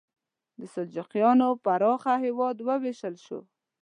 د سلجوقیانو پراخه هېواد وویشل شو.